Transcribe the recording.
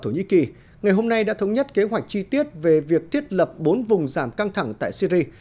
ngày hôm nay đã thống nhất kế hoạch chi tiết về việc thiết lập bốn vùng giảm căng thẳng tại syri